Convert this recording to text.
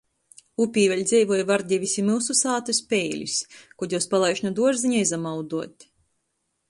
Upē vēļ dzeivoj vardivis i myusu sātys peilis, kod juos palaiž nu duorzeņa izamauduot.